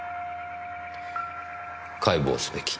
解剖すべき。